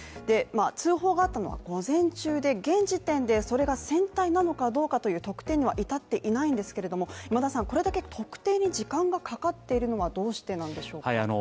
通報があったのは午前中で現時点でそれが船体なのかどうかという特定には至っていないんですけど、これだけ特定に時間がかかっているのはどうしてなんでしょうか？